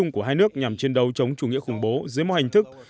của hai nước nhằm chiến đấu chống chủ nghĩa khủng bố dưới mô hành thức